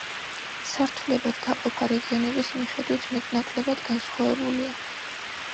სართულებად დაყოფა რეგიონების მიხედვით მეტ-ნაკლებად განსხვავებულია.